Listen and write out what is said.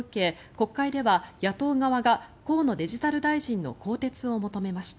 国会では野党側が河野デジタル大臣の更迭を求めました。